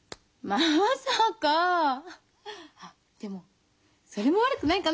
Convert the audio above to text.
あっでもそれも悪くないかな。